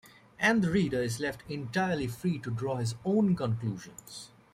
And the reader is left entirely free to draw his own conclusions.